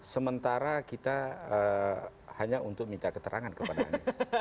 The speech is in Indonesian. sementara kita hanya untuk minta keterangan kepada anies